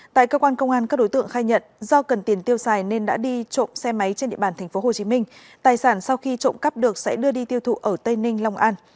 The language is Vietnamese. tại cơ quan công an các đối tượng khai nhận do cần tiền tiêu xài nên đã đi trộm xe máy trên địa bàn tp hcm tài sản sau khi trộm cắp được sẽ đưa đi tiêu thụ ở tây ninh long an